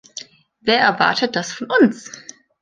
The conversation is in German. Wer erwartet das von uns?